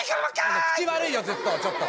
あの口悪いよずっとちょっと。